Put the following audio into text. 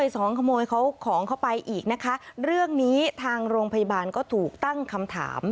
สองขโมยเขาของเข้าไปอีกนะคะเรื่องนี้ทางโรงพยาบาลก็ถูกตั้งคำถาม